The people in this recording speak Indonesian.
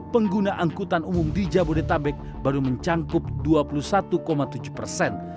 pengguna angkutan umum di jabodetabek baru mencangkup dua puluh satu tujuh persen